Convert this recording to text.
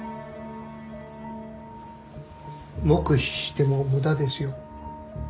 黙秘しても無駄ですよ。